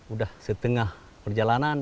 udah setengah perjalanan